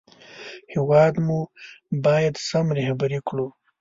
هېواد مو باید سم رهبري کړو